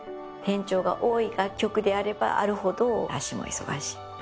転調が多い楽曲であればあるほど足も忙しい。